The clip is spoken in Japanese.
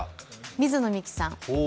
水野美紀さん。